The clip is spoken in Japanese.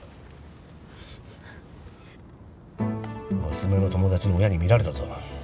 娘の友達の親に見られたぞ。